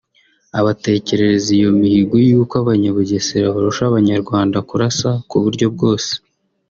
abatekerereza iyo mihigo y’uko Abanyabugesera barusha Abanyarwanda kurasa ku buryo bwose